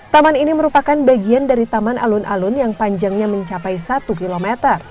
taman ini merupakan bagian dari taman alun alun yang panjangnya mencapai satu km